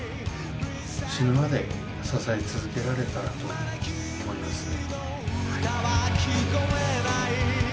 死ぬまで支え続けられたらと思いますね。